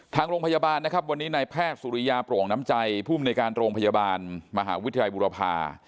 ทางโรงพยาบาลนะครับวันนี้นายแพทย์สุริยาโปร่งน้ำใจภูมิในการโรงพยาบาลมหาวิทยาลัยบุรพา